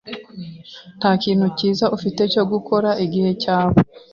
Nta kintu cyiza ufite cyo gukora igihe cyawe?